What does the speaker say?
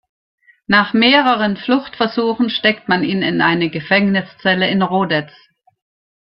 Nach mehreren Fluchtversuchen steckt man ihn in eine Gefängniszelle in Rodez.